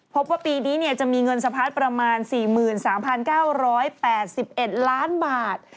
พบว่าปีนี้จะมีเงินสะพัดประมาณ๔๓๙๘๑ล้านบาท